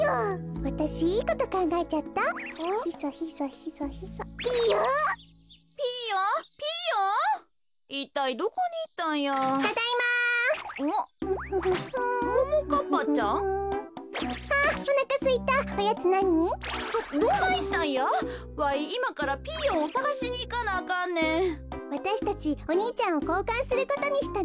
わたしたちお兄ちゃんをこうかんすることにしたの。